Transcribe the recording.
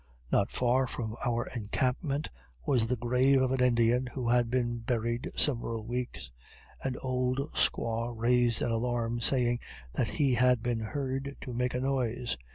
Not far from our encampment was the grave of an Indian who had been buried several weeks. An old squaw raised an alarm, saying that he had been heard to make a noise.